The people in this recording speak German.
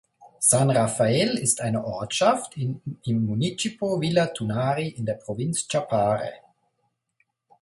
San Rafael ist eine Ortschaft im Municipio Villa Tunari in der Provinz Chapare.